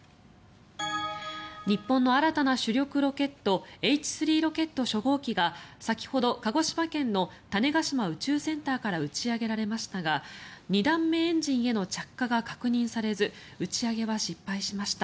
日本の新たな主力ロケットＨ３ロケット初号機が先ほど、鹿児島県の種子島宇宙センターから打ち上げられましたが２段目エンジンへの着火が確認されず打ち上げは失敗しました。